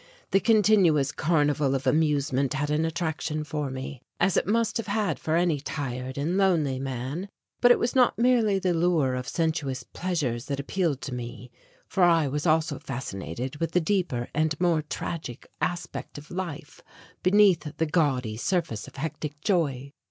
The continuous carnival of amusement had an attraction for me, as it must have had for any tired and lonely man. But it was not merely the lure of sensuous pleasures that appealed to me, for I was also fascinated with the deeper and more tragic aspect of life beneath the gaudy surface of hectic joy.